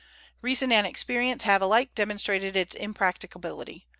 Reason and experience have alike demonstrated its impracticability.